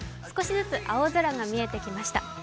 少しずつ青空が見えてきました。